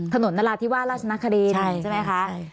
ถนนนราธิววาฤนทร์นคริสต์